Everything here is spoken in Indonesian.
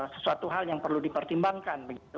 sesuatu hal yang perlu dipertimbangkan